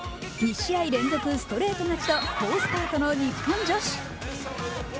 ２試合連続ストレート勝ちと好スタートの日本女子。